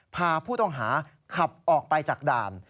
พาผู้ต้องหาขับออกไปจากด่าน